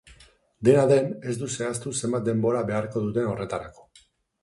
Dena den, ez du zehaztu zenbat denbora beharko duten horretarako.